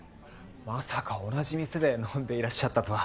まさか同じ店で飲んでいらっしゃったとは。